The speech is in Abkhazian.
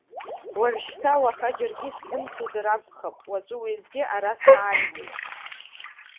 Уажәшьҭа уаха џьаргьы сзымцозар акәхап, уаҵәы уеизгьы ара сааиуеит.